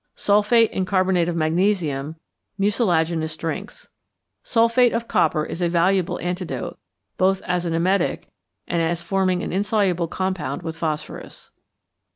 Sulphate and carbonate of magnesium, mucilaginous drinks. Sulphate of copper is a valuable antidote, both as an emetic and as forming an insoluble compound with phosphorus.